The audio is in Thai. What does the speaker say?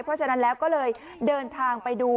เพราะฉะนั้นแล้วก็เลยเดินทางไปดู